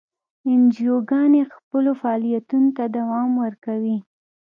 انجیوګانې خپلو فعالیتونو ته دوام ورکوي.